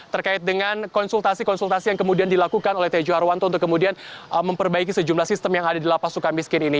terkait dengan konsultasi konsultasi yang kemudian dilakukan oleh tejo harwanto untuk kemudian memperbaiki sejumlah sistem yang ada di lapas suka miskin ini